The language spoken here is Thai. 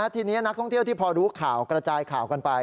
ทีนี้นักท่องเที่ยวที่พอรู้ข่าวกระจายข่าวกันไป